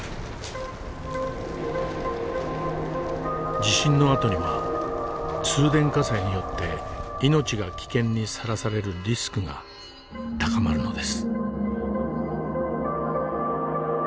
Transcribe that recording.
地震のあとには通電火災によって命が危険にさらされるリスクが高まるのです。